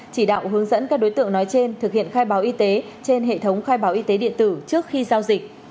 chỉ đạo hướng dẫn các đối tượng nói trên thực hiện khai báo y tế trên hệ thống khai báo y tế điện tử trước khi giao dịch